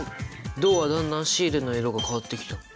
銅はだんだんシールの色が変わってきた！